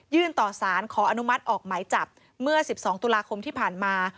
ต่อสารขออนุมัติออกหมายจับเมื่อ๑๒ตุลาคมที่ผ่านมา